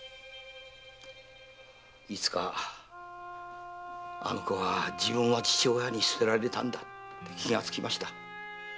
いつかあの子は“自分は父親に捨てられたんだ”って気がつきました。